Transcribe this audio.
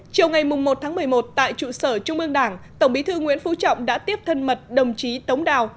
chiều ngày một một mươi một tại trụ sở trung ương đảng tổng bí thư nguyễn phú trọng đã tiếp thân mật đồng chí tống đào